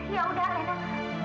ya udah alena